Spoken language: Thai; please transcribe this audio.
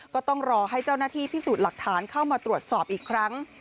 ก็ต้องรอให้เจ้าหน้าที่พิสูจน์หลักฐานเข้ามาตรวจสอบอีกครั้ง